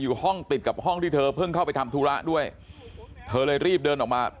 อยู่ห้องติดกับห้องที่เธอเพิ่งเข้าไปทำธุระด้วยเธอเลยรีบเดินออกมา